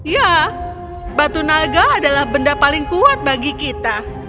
ya batu naga adalah benda paling kuat bagi kita